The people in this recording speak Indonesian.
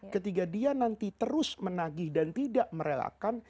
ketika dia nanti terus menagih dan tidak merelakan